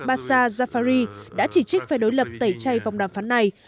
basar zafari đã chỉ trích phe đối lập tẩy chay vòng đàm phán này